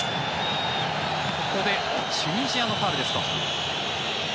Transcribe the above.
ここでチュニジアのファウルですか。